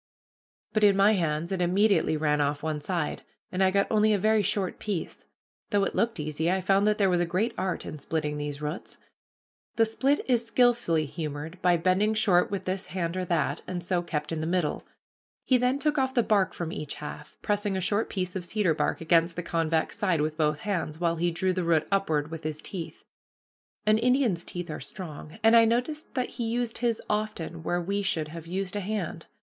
But in my hands it immediately ran off one side, and I got only a very short piece. Though it looked easy, I found that there was a great art in splitting these roots. The split is skillfully humored by bending short with this hand or that, and so kept in the middle. He then took off the bark from each half, pressing a short piece of cedar bark against the convex side with both hands, while he drew the root upward with his teeth. An Indian's teeth are strong, and I noticed that he used his often where we should have used a hand.